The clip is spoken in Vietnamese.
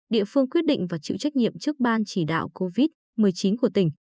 địa phương quyết định và chịu trách nhiệm trước ban chỉ đạo covid một mươi chín của tỉnh